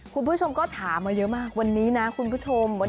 คุณผู้ชมก็ถามมาเยอะมากวันนี้นะคุณผู้ชม